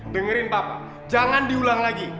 dengerin papa jangan diulang lagi